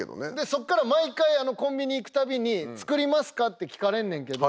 そこから毎回コンビニ行く度に「作りますか？」って聞かれんねんけど。